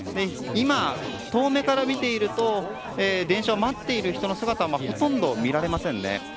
今、遠目から見ていると電車を待っている姿はほとんどありません。